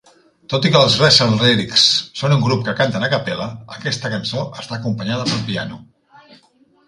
Tot i que els Rensselyrics son un grup que canten a cappella, aquesta cançó està acompanyada pel piano.